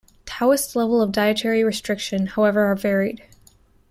Taoist levels of dietary restriction, however, are varied.